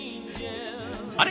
あれ？